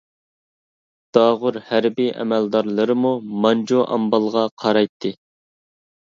داغۇر ھەربىي ئەمەلدارلىرىمۇ مانجۇ ئامبالغا قارايتتى.